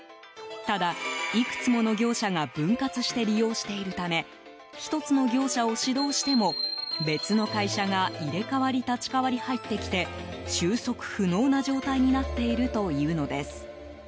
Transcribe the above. ただ、いくつもの業者が分割して利用しているため１つの業者を指導しても別の会社が入れ替わり立ち替わり入ってきて収束不能な状態になっているというのです。